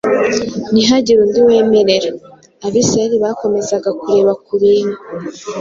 ntihagire undi wemerera! Abisirayeli bakomezaga kureba ku bintu